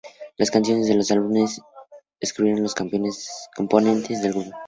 Las canciones del álbum las escribieron los tres componentes del grupo.